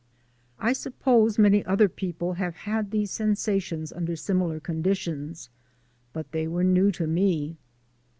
I suppose many other people have had these sensations under similar conditions, but they were new to me.